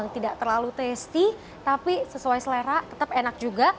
tidak terlalu testy tapi sesuai selera tetap enak juga